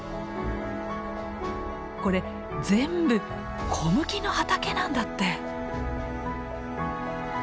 これ全部小麦の畑なんだって！